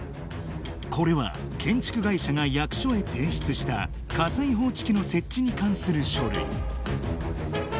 これは建築会社が役所へ提出した火災報知器の設置に関する書類